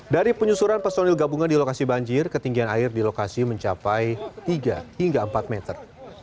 dari penyusuran personil gabungan di lokasi banjir ketinggian air di lokasi mencapai tiga hingga empat meter